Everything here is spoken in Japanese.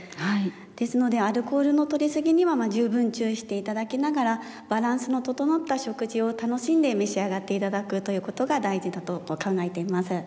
ですのでアルコールのとり過ぎには十分注意して頂きながらバランスの整った食事を楽しんで召し上がって頂くということが大事だと考えています。